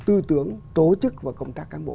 tư tưởng tổ chức và công tác cán bộ